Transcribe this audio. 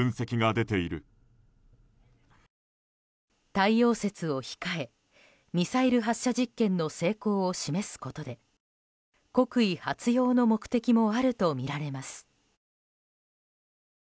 太陽節を控えミサイル発射実験の成功を示すことで国威発揚の目的もあるとみられます。